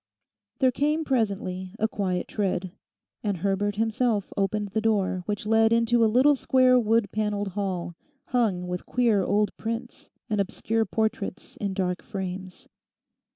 There came presently a quiet tread, and Herbert himself opened the door which led into a little square wood panelled hall, hung with queer old prints and obscure portraits in dark frames.